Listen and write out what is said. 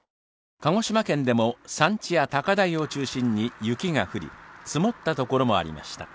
鹿児島県でも山地や高台を中心に雪が降り、積もった所もありました。